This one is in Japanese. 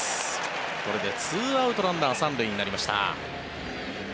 これで２アウトランナー３塁になりました。